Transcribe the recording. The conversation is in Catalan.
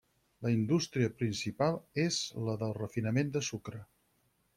La indústria principal és la del refinament de sucre.